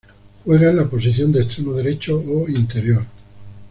Juega en la posición de extremo derecho o interior.